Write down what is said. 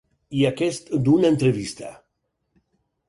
I aquest d'una entrevista.